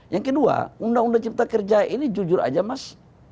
yang kedua undang undang cipta kerja ini jujur aja mas